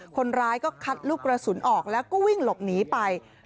คนร้ายก็คัดลูกกระสุนออกแล้วก็วิ่งหลบหนีไป